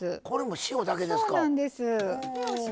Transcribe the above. これも塩だけですか。